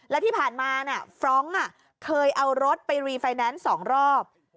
และที่ผ่านมาฟรองก์เคยเอารถไปรีไฟแนนซ์๒รอบ